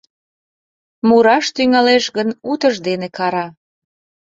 Мураш тӱҥалеш гын, утыждене кара.